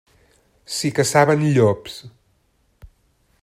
S'hi caçaven llops.